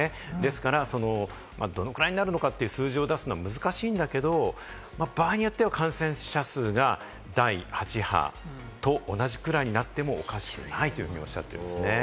ですから、どれぐらいになるのかという数字を出すのが難しいんだけれども、場合によっては感染者数が第８波と同じぐらいになってもおかしくないとおっしゃっていますね。